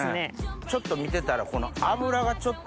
ちょっと見てたらこの。